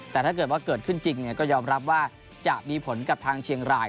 แต่ถ้าเกิดว่าเกิดขึ้นจริงก็ยอมรับว่าจะมีผลกับทางเชียงราย